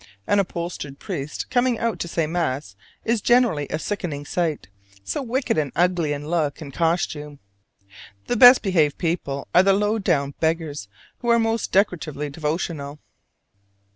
An upholstered priest coming out to say mass is generally a sickening sight, so wicked and ugly in look and costume. The best behaved people are the low down beggars, who are most decoratively devotional.